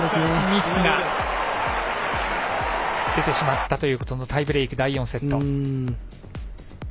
ミスが出てしまったというタイブレーク、第４セット。